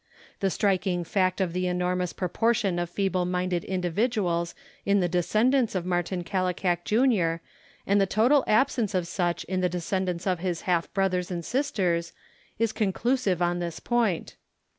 The striking fact of the enormous proportion of feeble minded in dividuals in the descendants of Martin Kallikak Jr. and the total absence of such in the descendants of his half brothers and sisters is conclusive on this point.